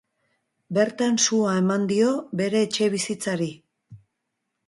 Bertan sua eman dio bere etxebizitzari.